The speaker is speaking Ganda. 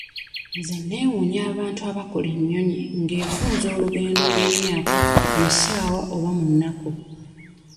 Nze neewuunya abantu abaakola ennyonyi nga efunza olugendo olw'emyaka mu ssaawa oba mu nnaku.